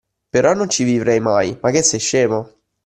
Però non ci vivrei mai, ma che sei scemo.